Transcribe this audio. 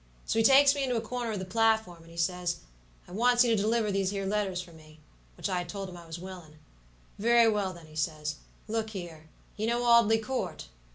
So he takes me into a corner of the platform, and he says, 'I wants you to deliver these here letters for me,' which I told him I was willin'. 'Very well, then,' he says; 'look here; you know Audley Court?'